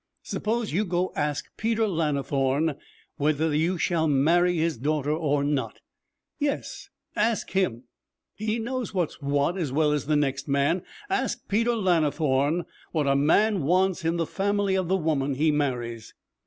Suppose you go ask Peter Lannithorne whether you shall marry his daughter or not. Yes, ask him. He knows what's what as well as the next man. Ask Peter Lannithorne what a man wants in the family of the woman he marries.'